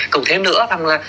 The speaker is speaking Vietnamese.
còn thêm nữa là